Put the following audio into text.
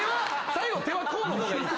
最後手はこうの方がいい？